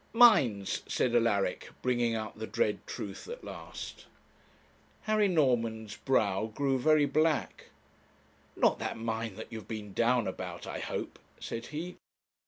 'Mines,' said Alaric, bringing out the dread truth at last. Harry Norman's brow grew very black. 'Not that mine that you've been down about, I hope,' said he.